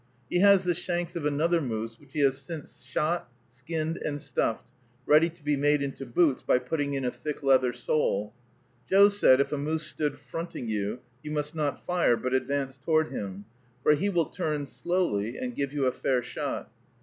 He has the shanks of another moose which he has since shot, skinned and stuffed, ready to be made into boots by putting in a thick leather sole. Joe said, if a moose stood fronting you, you must not fire, but advance toward him, for he will turn slowly and give you a fair shot.